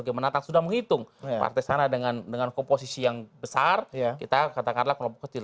bagaimana sudah menghitung partai sana dengan dengan komposisi yang besar kita katakanlah kelompok kecil